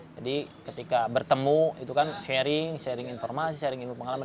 jadi ketika bertemu itu kan sharing sharing informasi sharing ilmu pengalaman